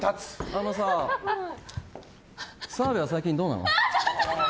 あのさ、澤部は最近どうなの？